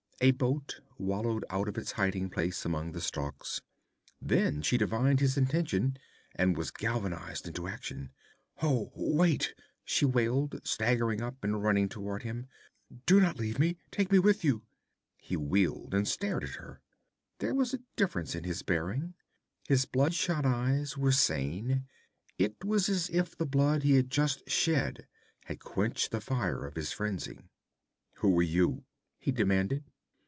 A boat wallowed out of its hiding place among the stalks. Then she divined his intention, and was galvanized into action. 'Oh, wait!' she wailed, staggering up and running toward him. 'Do not leave me! Take me with you!' He wheeled and stared at her. There was a difference in his bearing. His bloodshot eyes were sane. It was as if the blood he had just shed had quenched the fire of his frenzy. 'Who are you?' he demanded.